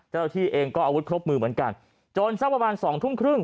เจ้าหน้าที่เองก็อาวุธครบมือเหมือนกันจนสักประมาณสองทุ่มครึ่ง